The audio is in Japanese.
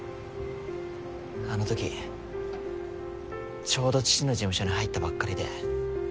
あの時ちょうど父の事務所に入ったばっかりで。